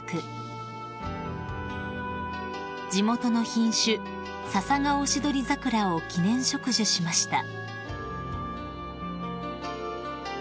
［地元の品種ササガオシドリザクラを記念植樹しました］